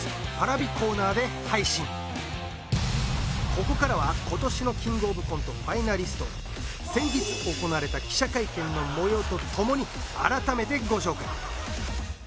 ここからは今年のキングオブコントファイナリストを先日行われた記者会見のもようとともに改めてご紹介